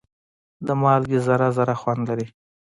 د مالګې ذره ذره خوند لري.